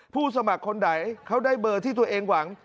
สมัครคนใดเขาได้เบอร์ที่ตัวเองหวัง